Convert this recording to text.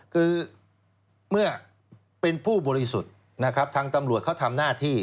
คือเมื่อเป็นผู้บริสุทธิ์นะครับทางตำรวจเขาทำหน้าที่